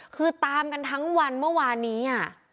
คือตามกันทั้งวันเมื่อวานนี้